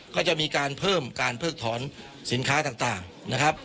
ก็จะมีการเพิ่มการเพิกถอนสินค้าต่างนะครับ